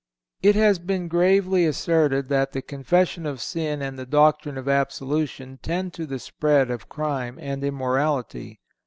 It has been gravely asserted that the confession of sin and the doctrine of absolution tend to the spread of crime and immorality.